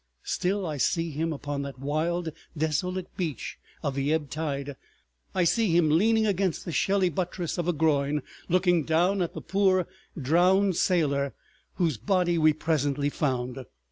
Still I see him, upon that wild desolate beach of the ebb tide, I see him leaning against the shelly buttress of a groin, looking down at the poor drowned sailor whose body we presently found.